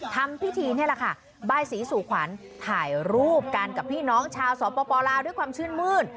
ทำพิธีนี่แหละค่ะบายสีสู่ขวัญถ่ายรูปกันกับพี่น้องชาวสปลาวด้วยความชื่นมื้น